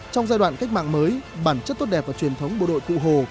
trong giai đoạn cách mạng mới bản chất tốt đẹp và truyền thống bộ đội cụ hồ